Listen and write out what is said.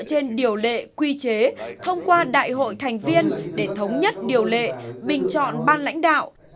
trên điều lệ quy chế thông qua đại hội thành viên để thống nhất điều lệ bình chọn ban lãnh đạo